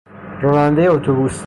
رانندهی اتوبوس